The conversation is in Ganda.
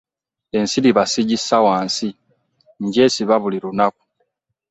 Ensiriba ssigissa wansi, ngyesiba buli lunaku.